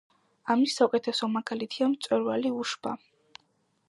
ამის საუკეთესო მაგალითია მწვერვალი უშბა.